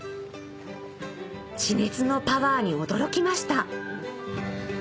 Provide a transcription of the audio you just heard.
地熱のパワーに驚きました